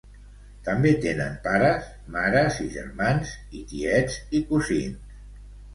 També tenen pares, mares i germans i tiets i cosins.